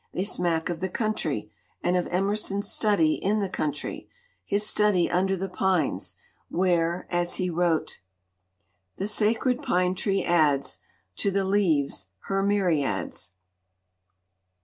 They smack of the country, and of Emerson's study in the country, his study under the pines, where, as he wrote: the sacred pine tree adds To the leaves her myriads.